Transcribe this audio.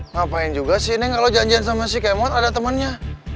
ngapain juga sih neng kalau janjian sama si kemot ada temannya